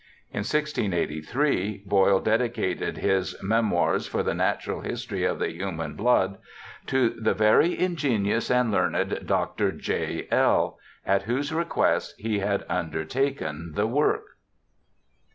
In 1683 Boyle dedi cated his Memoirs for the Natural History of the Human Blood to 'the very ingenious and learned Dr. J. L.', at whose request he had undertaken the work.